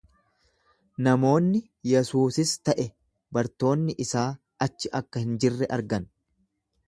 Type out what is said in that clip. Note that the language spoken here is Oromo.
Namoonni Yesuusis ta’e bartoonni isaa achi akka hin jirre argan.